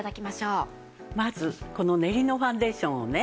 まずこの練りのファンデーションをね